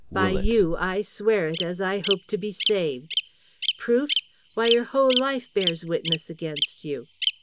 By you! I swear it, as I hope to be saved. Proofs? Why, your whole life bears witness against you.